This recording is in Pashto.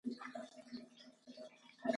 اهلي کونه یو ټکنالوژیکي بدلون دی